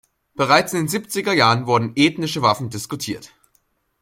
Bereits in den Siebziger Jahren wurden ethnische Waffen diskutiert.